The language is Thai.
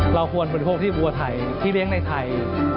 เราควรบริโภคที่บัวไทยที่เลี้ยงในไทย